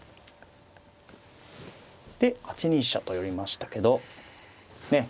で８二飛車と寄りましたけどねえ